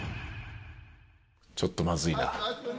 ちょっとまずいな。